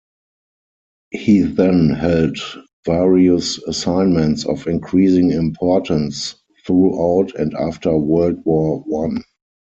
He then held various assignments of increasing importance throughout and after World War One.